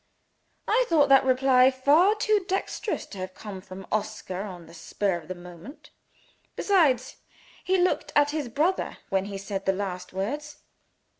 I thought that reply far too dexterous to have come from Oscar on the spur of the moment. Besides, he looked at his brother when he said the last words.